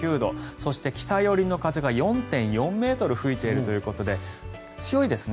そして北寄りの風が４．４ｍ吹いているということで強いですね。